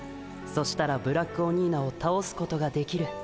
そしたらブラックオニーナをたおすことができる。